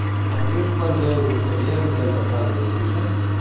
Em dius quants euros serien trenta francs de Suïssa?